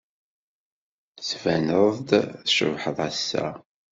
Tettbaneḍ-d tcebḥeḍ ass-a.